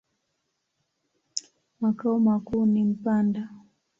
Makao makuu ni Mpanda.